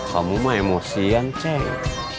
kamu mah emosian ceng